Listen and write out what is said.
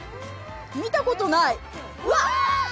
見たことない。